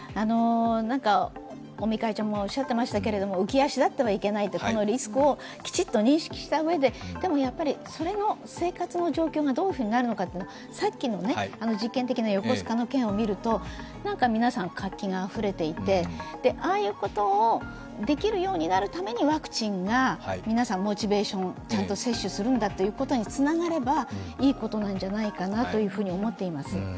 尾身会長もおっしゃっていましたけれども、浮き足だってはいけない、このリスクをきちんと認識したうえで、でもやっぱり生活の状況がどういうふうになるのか、さっきの実験的な横須賀の件を見ると皆さん活気があふれていて、ああいうことをできるようになるためにワクチンを皆さん、モチベーションちゃんと接種するんだということをつながればいいことなんじゃないかなと思っています。